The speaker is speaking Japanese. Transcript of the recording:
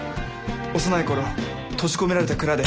幼い頃閉じ込められた蔵で。